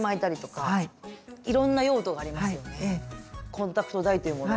コンタクトダイというもの